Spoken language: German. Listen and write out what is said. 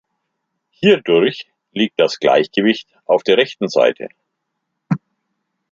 Hierdurch liegt das Gleichgewicht auf der rechten Seite.